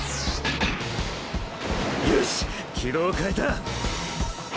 よし軌道を変えた！